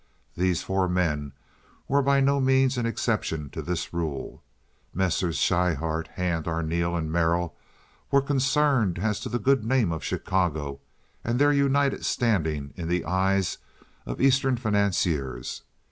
These four men were by no means an exception to this rule. Messrs. Schryhart, Hand, Arneel, and Merrill were concerned as to the good name of Chicago and their united standing in the eyes of Eastern financiers.